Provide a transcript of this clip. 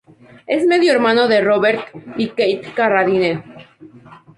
Es medio-hermano de Robert y Keith Carradine.